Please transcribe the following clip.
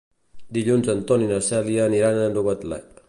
Dilluns en Ton i na Cèlia aniran a Novetlè.